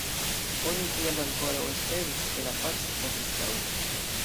Oni tiam ankoraŭ esperis, ke la paco povis daŭri.